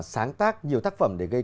sáng tác nhiều tác phẩm